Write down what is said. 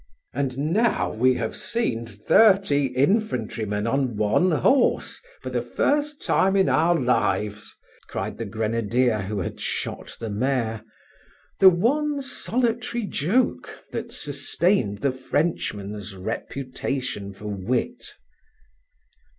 "And now we have seen thirty infantrymen on one horse for the first time in our lives!" cried the grenadier who had shot the mare, the one solitary joke that sustained the Frenchmen's reputation for wit.